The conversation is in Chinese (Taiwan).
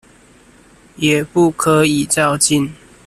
也不可以躁進